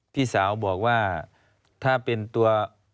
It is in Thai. พี่สาวบอกว่าถ้าเป็นตัว